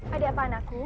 ada apa anakku